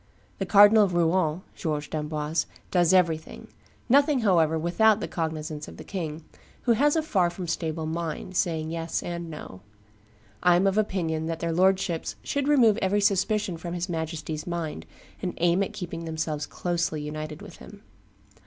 The Cardinal of Rouen [George d'Amboise] does everything; nothing, however, with out the cognizance of the king, who has a far from stable mind, saying yes and no. ... I am of opinion that their lordships should remove every suspicion from his Majesty's mind, and aim at keeping themselves closely united with him."